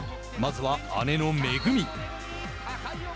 まずは、姉のめぐみ。